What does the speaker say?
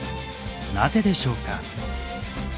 なぜでしょうか？